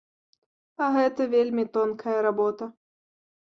А гэта вельмі тонкая работа.